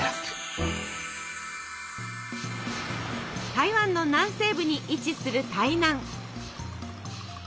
台湾の南西部に位置する台南。